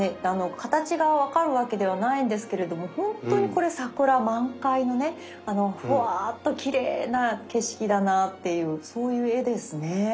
あの形が分かるわけではないんですけれども本当にこれ桜満開のねあのふわっときれいな景色だなっていうそういう絵ですね。